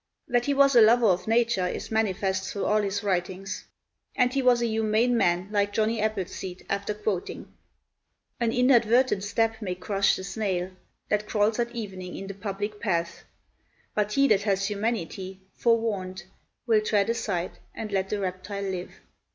That he was a lover of nature is manifest through all his writings. And he was a humane man, like Johnny Appleseed, after quoting: "An inadvertent step may crush the snail That crawls at evening in the public path; But he that hath humanity, forewarn'd, Will tread aside, and let the reptile live."